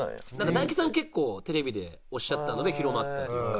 大吉さんが結構テレビでおっしゃったので広まったというか。